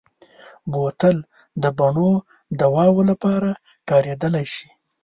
بوتل د بڼو دواوو لپاره کارېدلی شي.